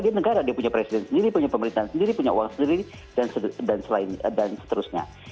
dia negara dia punya presiden sendiri punya pemerintahan sendiri punya uang sendiri dan seterusnya